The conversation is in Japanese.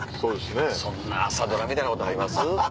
そんな朝ドラみたいなことあります？